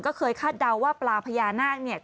ก็เคยคาดเดาว่าปลาพญานาค